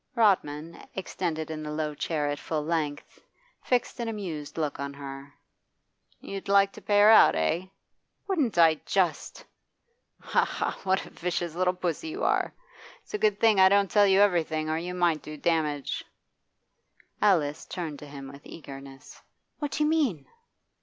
Rodman, extended in the low chair at full length, fixed an amused look on her. 'You'd like to pay her out, eh?' 'Wouldn't I just!' 'Ha! ha! what a vicious little puss you are! It's a good thing I don't tell you everything, or you might do damage.' Alice turned to him with eagerness. 'What do you mean?